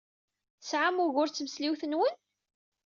Tesɛam ugur d tmesliwt-nwen?